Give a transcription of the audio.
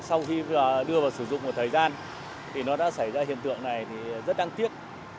sau khi đưa vào sử dụng một thời gian thì nó đã xảy ra hiện tượng này thì rất đáng tiếc